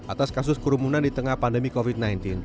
atas kasus kerumunan di tengah pandemi covid sembilan belas